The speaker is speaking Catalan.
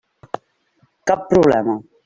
Cap problema.